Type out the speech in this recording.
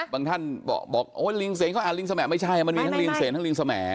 ท่านบอกโอ้ยลิงเซนเขาอ่านลิงสมไม่ใช่มันมีทั้งลิงเสนทั้งลิงสมแห